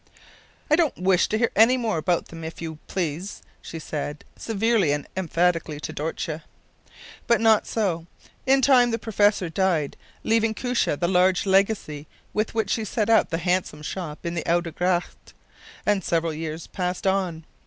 “I don’t wish to hear anything more about them, if you please,” she said, severely and emphatically, to Dortje. But not so. In time the professor died, leaving Koosje the large legacy with which she set up the handsome shop in the Oude Gracht; and several years passed on.